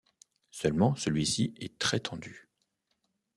Seulement, celui-ci est très tendu.